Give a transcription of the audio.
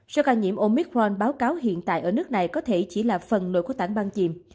số ca nhiễm omicron báo cáo hiện tại ở nước này có thể chỉ là phần nội của tảng băng chìm